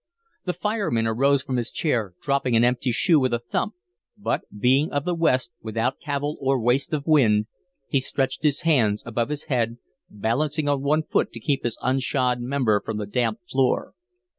The fireman arose from his chair, dropping an empty shoe with a thump, but, being of the West, without cavil or waste of wind, he stretched his hands above his head, balancing on one foot to keep his unshod member from the damp floor.